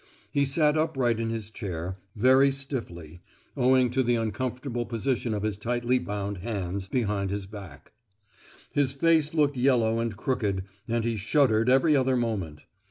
He sat upright in his chair—very stiffly, owing to the uncomfortable position of his tightly bound hands behind his back; his face looked yellow and crooked, and he shuddered every other moment.